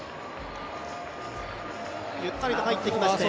ゆったりと入ってきました。